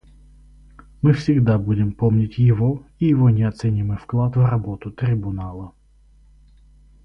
Мы всегда будем помнить его и его неоценимый вклад в работу Трибунала.